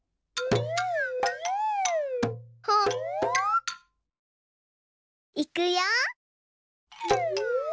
ほっいくよ！